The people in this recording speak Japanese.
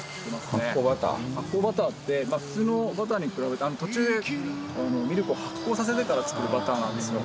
発酵バターって普通のバターに比べて途中でミルクを発酵させてから作るバターなんですよ。